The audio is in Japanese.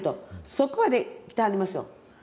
そこまで来てはりますよ。